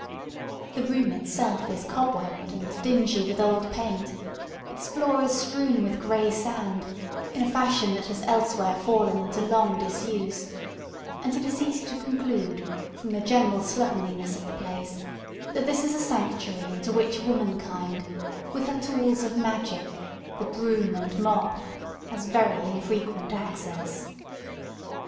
The room itself is cobwebbed, and dingy with old paint; its floor is strewn with grey sand, in a fashion that has elsewhere fallen into long disuse; and it is easy to conclude, from the general slovenliness of the place, that this is a sanctuary into which womankind, with her tools of magic, the broom and mop, has very infrequent access.